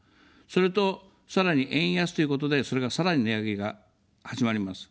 それと、さらに円安ということで、それがさらに値上げが始まります。